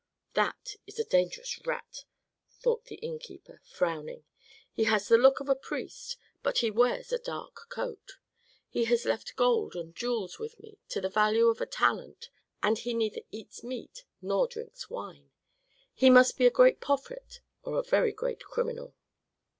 "That is a dangerous rat!" thought the innkeeper, frowning. "He has the look of a priest, but he wears a dark coat. He has left gold and jewels with me to the value of a talent, and he neither eats meat nor drinks wine. He must be a great prophet or a very great criminal."